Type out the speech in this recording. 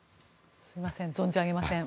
すみません存じ上げません。